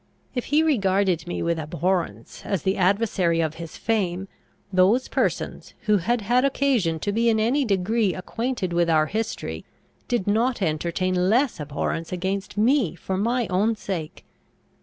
If he regarded me with abhorrence as the adversary of his fame, those persons who had had occasion to be in any degree acquainted with our history, did not entertain less abhorrence against me for my own sake.